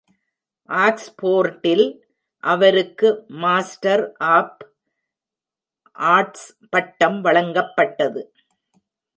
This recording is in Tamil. ஆக்ஸ்போர்டில் அவருக்கு மாஸ்டர் ஆஃப் ஆர்ட்ஸ் பட்டம் வழங்கப்பட்டது.